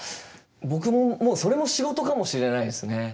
僕ももうそれも仕事かもしれないですね。